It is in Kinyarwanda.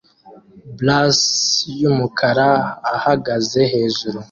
blus yumukara ahagaze hejuru